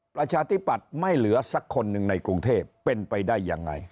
ประชาธิปัตย์ไม่เหลือสักคนหนึ่งในกรุงเทพเป็นไปได้ยังไง